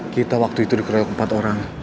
kita waktu itu dikeroyok empat orang